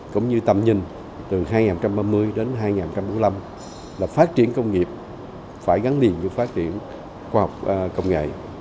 cũng như tầm nhìn từ hai nghìn ba mươi đến hai nghìn bốn mươi năm là phát triển công nghiệp phải gắn liền với phát triển khoa học công nghệ